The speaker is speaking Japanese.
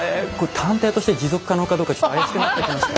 探偵として持続可能かどうかちょっと怪しくなってきました。